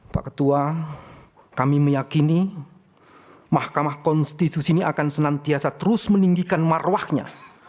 pak ketua kami meyakini mahkamah konstitusi ini akan senantiasa terus meninggikan marwahnya